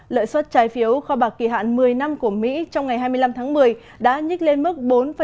lợi suất trái phiếu kho bạc kỳ hạn một mươi năm của mỹ trong ngày hai mươi năm tháng một mươi đã nhích lên mức bốn chín nghìn năm trăm linh sáu